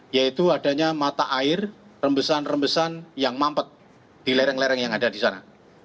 yaitu adanya mata air rembesan rembesan yang mampet di lereng lereng yang ada di sana